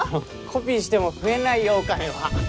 コピーしても増えないよお金は。